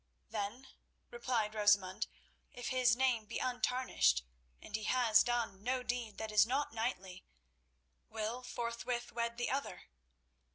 "Then," replied Rosamund, "if his name be untarnished, and he has done no deed that is not knightly, will forthwith wed the other."